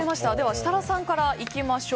設楽さんからいきましょう。